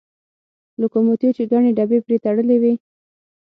لوکوموتیو چې ګڼې ډبې پرې تړلې وې.